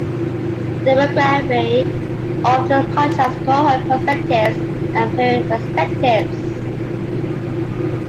Demography often contrasts cohort perspectives and period perspectives.